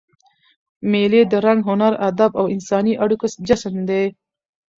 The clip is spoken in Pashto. مېلې د رنګ، هنر، ادب او انساني اړیکو جشن دئ.